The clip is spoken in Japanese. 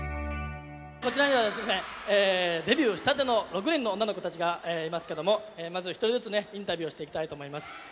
こちらにはですねデビューしたての６人の女の子たちがいますけどもまず１人ずつねインタビューをしていきたいと思います。